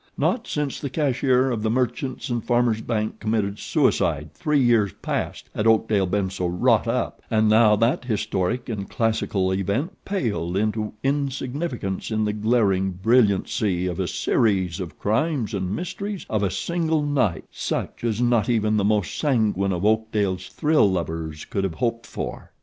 Not since the cashier of The Merchants and Farmers Bank committed suicide three years past had Oakdale been so wrought up, and now that historic and classical event paled into insignificance in the glaring brilliancy of a series of crimes and mysteries of a single night such as not even the most sanguine of Oakdale's thrill lovers could have hoped for.